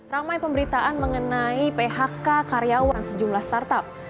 ramai pemberitaan mengenai phk karyawan sejumlah startup